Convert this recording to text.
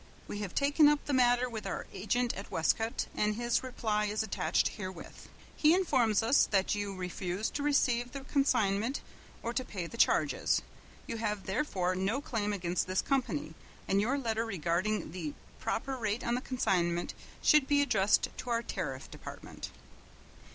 We have taken up the matter with our agent at Westcote, and his reply is attached herewith. He informs us that you refused to receive the consignment or to pay the charges. You have therefore no claim against this company, and your letter regarding the proper rate on the consignment should be addressed to our Tariff Department."